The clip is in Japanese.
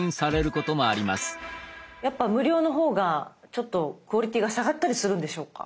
やっぱ無料の方がちょっとクオリティーが下がったりするんでしょうか？